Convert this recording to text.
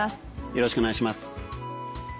よろしくお願いします。